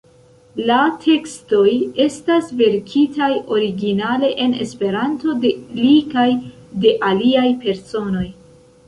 La tekstoj estas verkitaj originale en Esperanto de li kaj de aliaj personoj.